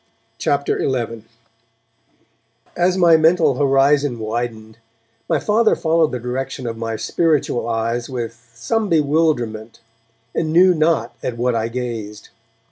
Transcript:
CHAPTER XI As my mental horizon widened, my Father followed the direction of my spiritual eyes with some bewilderment, and knew not at what I gazed.